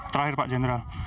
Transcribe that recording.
terakhir pak general